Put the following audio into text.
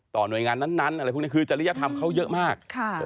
หน่วยงานนั้นอะไรพวกนี้คือจริยธรรมเขาเยอะมาก